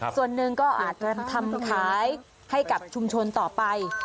ส่วนหนึ่งก็อาจจะทำขายให้กับชุมชนต่อไป